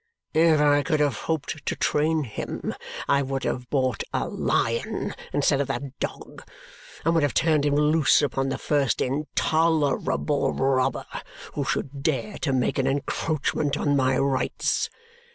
If I could have hoped to train him, I would have bought a lion instead of that dog and would have turned him loose upon the first intolerable robber who should dare to make an encroachment on my rights.